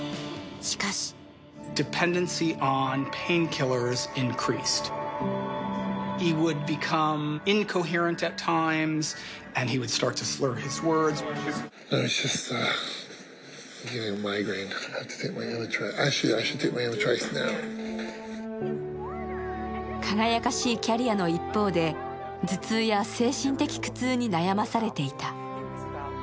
しかし輝かしいキャリアの一方で頭痛や精神的苦痛に悩まされていた。